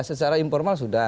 secara informal sudah